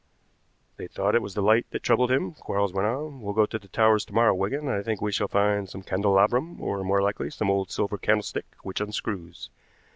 "They thought it was the light that troubled him," Quarles went on. "We'll go to the Towers to morrow, Wigan, and I think we shall find some candelabrum, or, more likely, some old silver candlestick which unscrews.